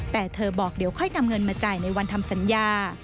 แต่เธอบอกเดี๋ยวค่อยนำเงินมาจ่ายในวันทำสัญญา